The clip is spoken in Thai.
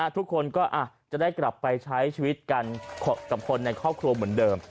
ทุกคนก็จะได้กลับไปใช้ชีวิตกันกับคนในครอบครัวเหมือนเดิม